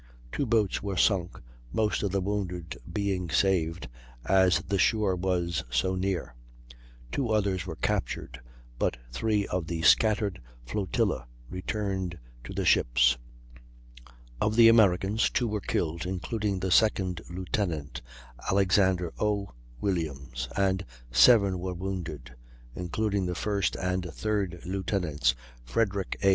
Two boats were sunk, most of the wounded being saved as the shore was so near; two others were captured, and but three of the scattered flotilla returned to the ships. Of the Americans, 2 were killed, including the second lieutenant, Alexander O. Williams, and 7 were wounded, including the first and third lieutenants, Frederick A.